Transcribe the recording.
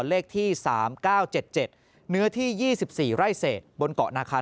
เลขที่สามเก้าเจ็ดเจ็ดเนื้อที่ยี่สิบสี่ไร้เศษบนเกาะนาคา